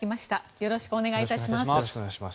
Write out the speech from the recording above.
よろしくお願いします。